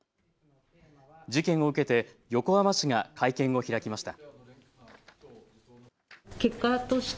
事件を受けて横浜市が会見を開きました。